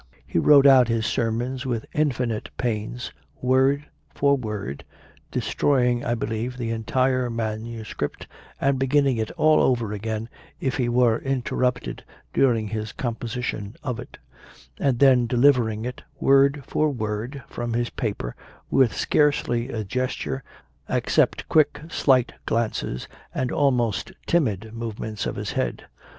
He wrote out his sermons with infinite pains, word for word, destroying, I believe, the entire manuscript and beginning it all over again if he were interrupted during his composition of it; and then delivering it word for word from his paper with scarcely a gesture except quick, slight glances and almost timid movements of his head.